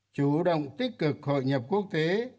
chủ động tích cực hội nhập quốc tế